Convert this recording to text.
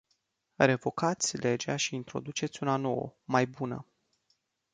Revocați legea și introduceți una nouă, mai bună.